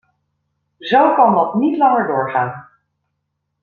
Zo kan dat niet langer doorgaan.